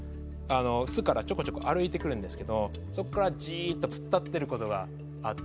巣からちょこちょこ歩いてくるんですけどそこからじっと突っ立ってることがあって。